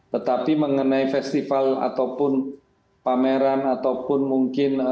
tetapi mengenai festival ataupun pameran ataupun mungkin